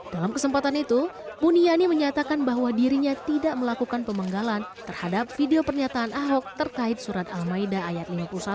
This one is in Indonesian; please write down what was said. dalam kesempatan itu buniani menyatakan bahwa dirinya tidak melakukan pemenggalan terhadap video pernyataan ahok terkait surat al maida ayat lima puluh satu